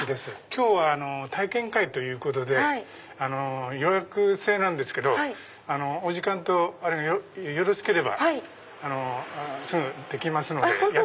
今日は体験会ということで予約制なんですけどお時間よろしければすぐできますので。